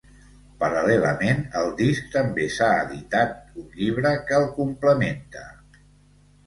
Paral·lelament al disc, també s’ha editat un llibre que el complementa.